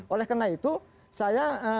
oleh karena itu saya